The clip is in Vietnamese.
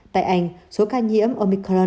tại anh số ca nhiễm omicron đã được phát hiện